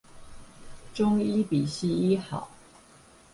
中醫比西醫好